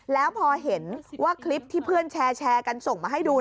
แล้วพอเห็นว่าคลิปที่เพื่อนแชร์กันส่งมาให้ดู